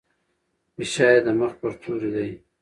فشار يې د مخ پر توري دی.